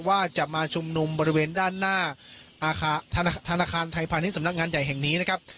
ว่าจะมาชุมนุมบริเวณด้านหน้าอาคารไทยพาณิชยสำนักงานใหญ่แห่งนี้นะครับ